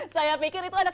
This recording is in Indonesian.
saya pikir itu ada